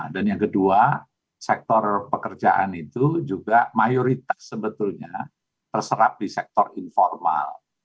dan yang kedua sektor pekerjaan itu juga mayoritas sebetulnya terserap di sektor informal